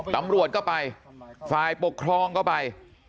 ตำรวจก็ไปฝ่ายปกครองก็ไป